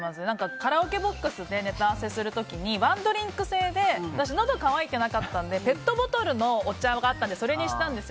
カラオケボックスでネタ合わせする時にワンドリンクせいで私、のどが渇いてなかったのでペットボトルのお茶があったのでそれにしたんですよ。